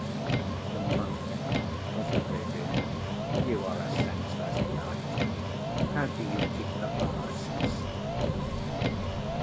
The monk hesitated. "You are a senseless lot! How do you keep the fasts?"